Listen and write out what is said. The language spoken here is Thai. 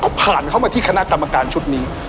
เขาผ่านเข้ามาที่คณะกรรมการชุดนี้